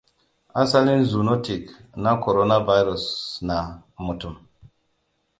Asalin zoonotic na coronaviruses na mutum